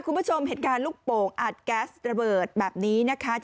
คุณผู้ชมเหตุการณ์ลูกโป่งอัดแก๊สระเบิดแบบนี้นะคะ